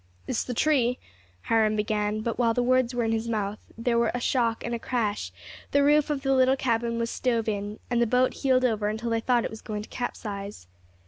"It's the tree," Hiram began; but while the words were in his mouth there was a shock and a crash, the roof of the little cabin was stove in, and the boat heeled over until they thought it was going to capsize.